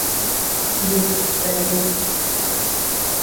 یکزده